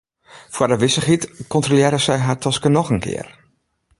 Foar de wissichheid kontrolearre sy har taske noch in kear.